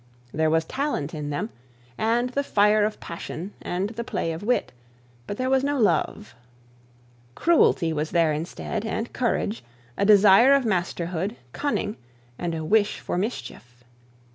There was talent in them, and the fire of passion and the play of wit, but there was no love. Cruelty was there instead, and courage, a desire for masterhood, cunning, and a wish for mischief.